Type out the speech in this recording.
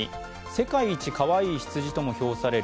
世界一かわいい羊とも評される